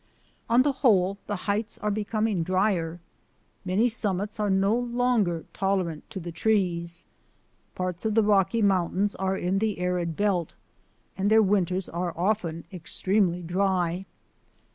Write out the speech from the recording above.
On the whole, the heights are becoming dryer. Many summits are no longer tolerant to the trees. Parts of the Rocky Mountains are in the arid belt, and their winters are often extremely dry.